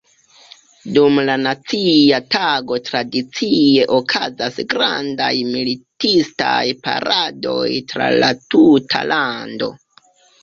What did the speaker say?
Dum la nacia tago tradicie okazas grandaj militistaj paradoj tra la tuta lando.